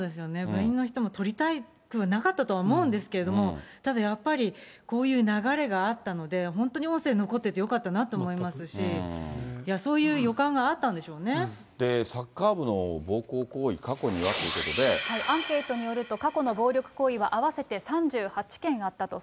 部員の人も撮りたくなかったとは思うんですけど、ただやっぱり、こういう流れがあったので、本当に音声残ってて、よかったなと思いますし、いや、そういう予感があったんでしょうサッカー部の暴行行為、過去アンケートによると、過去の暴力行為は合わせて３８件あったと。